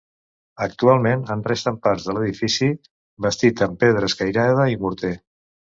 Actualment en resten parts de l'edifici, bastit amb pedra escairada i morter.